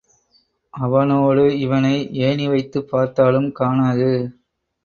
அவனோடு இவனை ஏணிவைத்துப் பார்த்தாலும் காணாது.